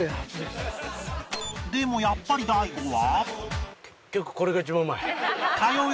でもやっぱり大悟は